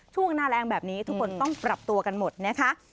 ช่วงหน้าแรงแบบนี้ทุกคนต้องปรับตัวกันหมดนะคะ